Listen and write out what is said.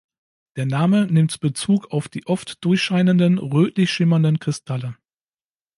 Der Name nimmt Bezug auf die oft durchscheinenden, rötlich schimmernden Kristalle.